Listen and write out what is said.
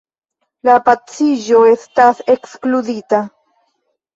La paciĝo estas ekskludita.